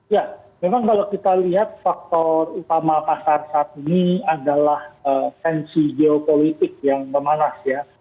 ya memang kalau kita lihat faktor utama pasar saat ini adalah tensi geopolitik yang memanas ya